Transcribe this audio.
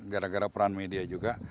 gara gara peran media juga